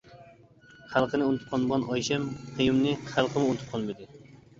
خەلقىنى ئۇنتۇپ قالمىغان ئايشەم قېيۇمنى خەلقىمۇ ئۇنتۇپ قالمىدى.